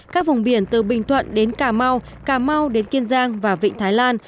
các vùng biển từ bình thuận đến cà mau cà mau đến kiên giang và vịnh thái lan